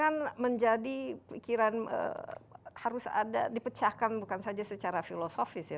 ini kan menjadi pikiran harus ada dipecahkan bukan saja secara filosofis ya